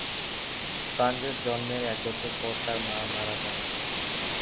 ফ্রাঞ্জের জন্মের এক বছর পর তার মা মারা যান।